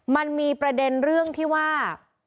มันมีประเด็นเรื่องที่ว่า